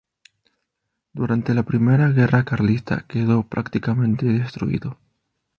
Durante la Primera Guerra Carlista quedó prácticamente destruido.